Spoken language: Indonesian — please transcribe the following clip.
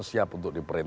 siap untuk diberikan